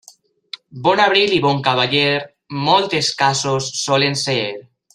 Bon abril i bon cavaller, molt escassos solen ser.